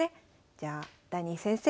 じゃあダニー先生